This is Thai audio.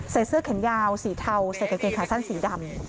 เสื้อแขนยาวสีเทาใส่กางเกงขาสั้นสีดำ